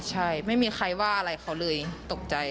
ใช่ไม่มีใครว่าอะไรเขาเลยตกใจ